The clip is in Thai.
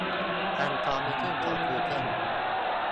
อัลกอริทึมของกูเกิล